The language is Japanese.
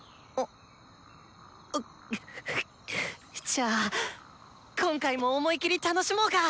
じゃあ今回も思い切り楽しもうか。